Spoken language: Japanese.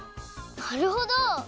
なるほど！